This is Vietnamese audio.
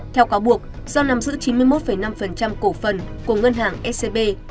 theo cáo buộc do nắm giữ chín mươi một năm cổ phần của ngân hàng scb